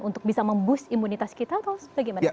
untuk bisa memboost imunitas kita atau bagaimana